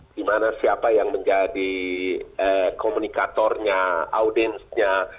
di mana siapa yang menjadi komunikatornya audiensnya